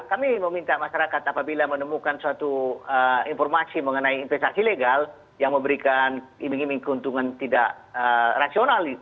kami meminta masyarakat apabila menemukan suatu informasi mengenai investasi legal yang memberikan iming iming keuntungan tidak rasional